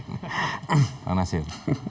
silakan pak pak nasir